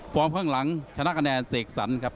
พร้อมข้างหลังชนะคะแนนเสกสรร